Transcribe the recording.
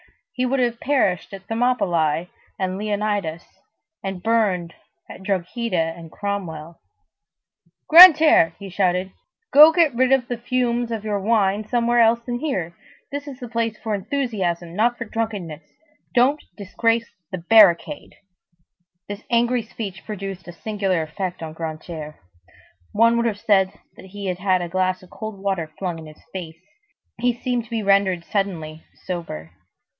He would have perished at Thermopylæ with Leonidas, and burned at Drogheda with Cromwell. "Grantaire," he shouted, "go get rid of the fumes of your wine somewhere else than here. This is the place for enthusiasm, not for drunkenness. Don't disgrace the barricade!" This angry speech produced a singular effect on Grantaire. One would have said that he had had a glass of cold water flung in his face. He seemed to be rendered suddenly sober.